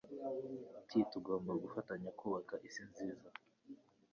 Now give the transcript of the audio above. T Tugomba gufatanya kubaka isi nziza.